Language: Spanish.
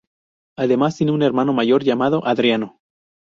Además tiene un hermano mayor llamado Adriano.